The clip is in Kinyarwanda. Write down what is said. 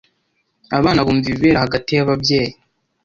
Abana bumva ibibera hagati y'ababyeyi.